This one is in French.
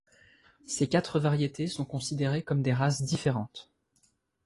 Ces quatre variétés sont considérées comme des races différentes.